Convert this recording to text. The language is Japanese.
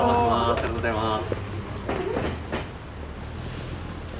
ありがとうございます。